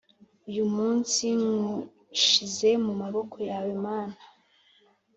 Uyu munsi nkushize mu maboko yawe Mana